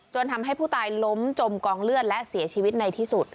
ทำให้ผู้ตายล้มจมกองเลือดและเสียชีวิตในที่สุด